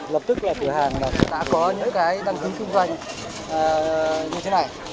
lập tức là thủ hàng đã có những đăng ký kinh doanh như thế này